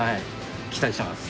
期待してます。